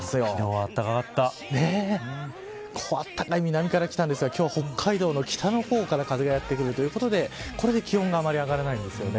あったかい南からきたんですが今日は北海道の北の方から風がやってくるということでこれで気温があまり上がらないです。